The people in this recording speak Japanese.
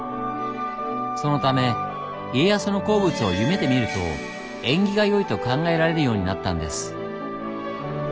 そのため家康の好物を夢で見ると縁起がよいと考えられるようになったんです。